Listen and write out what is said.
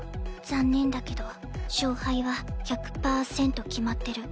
残念だけど勝敗は１００％決まってる。